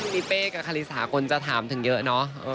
พี่เป้กับคาริสาคนจะถามถึงเยอะเนอะ